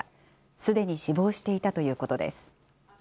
すでに死亡していたということです。